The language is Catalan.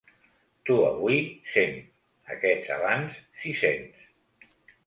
Tu avui cent, aquests abans sis-cents.